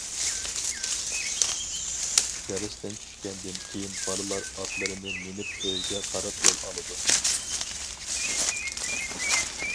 دەرستىن چۈشكەندىن كېيىن بالىلار ئاتلىرىنى مىنىپ ئۆيگە قاراپ يول ئالىدۇ.